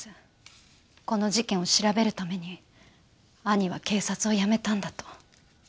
この事件を調べるために兄は警察を辞めたんだと。